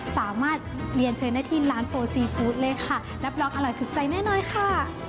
สามารถเรียนเชิญได้ที่ร้านโฟซีฟู้ดเลยค่ะรับรองอร่อยถูกใจแน่นอนค่ะ